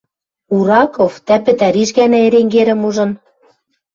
Ураков тӓ пӹтӓриш гӓнӓ Эренгерӹм ужын